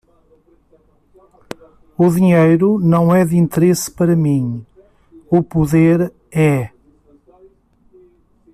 O dinheiro não é de interesse para mim, o poder é.